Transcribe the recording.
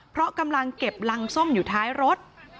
เพราะกำลังเก็บรังส้มอยู่ท้ายรถ